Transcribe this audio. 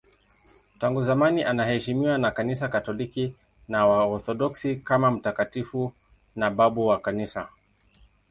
Tangu zamani anaheshimiwa na Kanisa Katoliki na Waorthodoksi kama mtakatifu na babu wa Kanisa.